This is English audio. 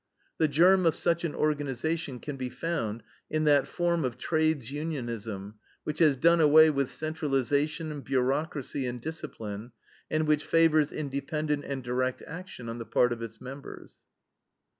"The germ of such an organization can be found in that form of trades unionism which has done away with centralization, bureaucracy, and discipline, and which favors independent and direct action on the part of its members."